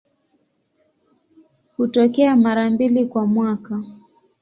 Hutokea mara mbili kwa mwaka.